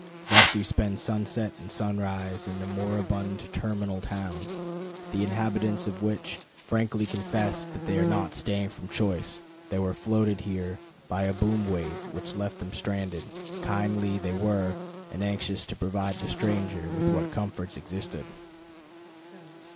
Thus you spend sunset and sunrise in the moribund terminal town, the inhabitants of which frankly confess that they are not staying from choice. They were floated here by a boom wave, which left them stranded. Kindly they were, and anxious to provide the stranger with what comforts existed.